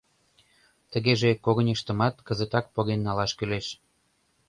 — Тыгеже когыньыштымат кызытак поген налаш кӱлеш.